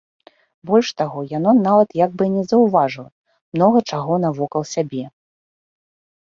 Больш таго, яно нават як бы і не заўважала многа чаго навокал сябе.